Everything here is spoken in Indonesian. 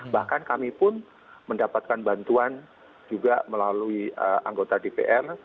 bahkan kami pun mendapatkan bantuan juga melalui anggota dpr